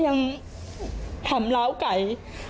ไม่จิบไม่ป่วยครับ